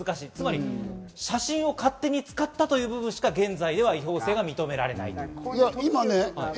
つまり写真を勝手に使ったという部分しか、現在では違法性が認められないってことです。